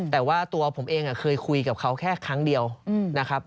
แต่ว่าตัวผมเองเคยคุยกับเขาแค่ครั้งเดียวนะครับ